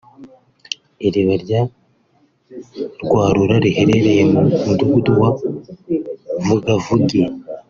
Iriba rya Rwarura riherereye mu mudugudu wa Vugavugi